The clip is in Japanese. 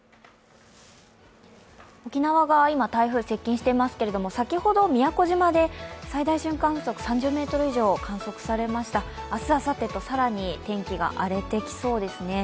沖縄が今、台風接近していますけど先ほど宮古島で最大瞬間風速３０メートル以上、観測されました、明日あさってと更に天気が荒れてきそうですね。